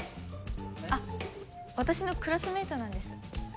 あっ私のクラスメートなんです。